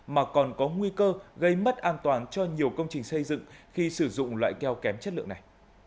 mà còn có nguy cơ gây mất an toàn cho nhiều công trình xây dựng khi sử dụng loại keo kém chất lượng này